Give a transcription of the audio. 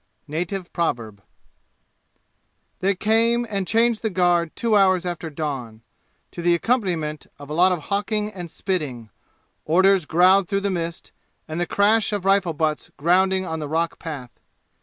Native Proverb They came and changed the guard two hours after dawn, to the accompaniment of a lot of hawking and spitting, orders growled through the mist, and the crash of rifle butts grounding on the rock path.